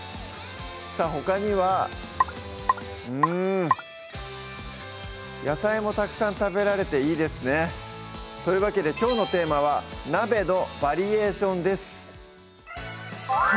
さぁほかにはうん野菜もたくさん食べられていいですねというわけできょうのテーマは「鍋のバリエーション」です